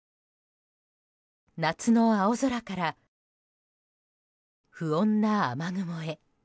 夏の青空から不穏な雨雲へ。